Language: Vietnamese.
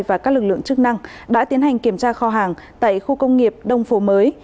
và các lực lượng chức năng đã tiến hành kiểm tra kho hàng tại khu công nghiệp đông phố mới